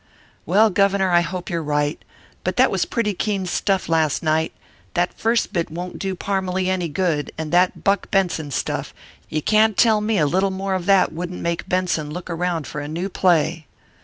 "Well, Governor, I hope you're right. But that was pretty keen stuff last night. That first bit won't do Parmalee any good, and that Buck Benson stuff you can't tell me a little more of that wouldn't make Benson look around for a new play."